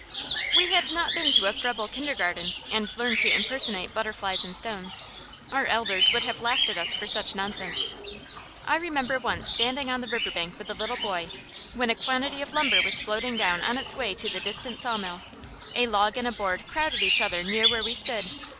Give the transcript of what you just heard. We had not been to a Froebel kindergarten, and learned to impersonate butterflies and stones. Our elders would have laughed at us for such nonsense. I remember once standing on the river bank with a little boy, when a quantity of lumber was floating down on its way to the distant sawmill. A log and a board crowded each other near where we stood.